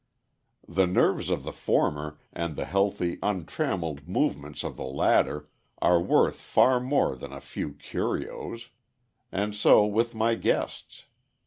The nerves of the former, and the healthy, untrammeled movements of the latter, are worth far more than a few "curios." And so with my guests.